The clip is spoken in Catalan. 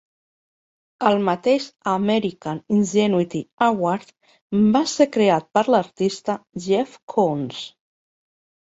El mateix American Ingenuity Award va ser creat per l'artista Jeff Koons.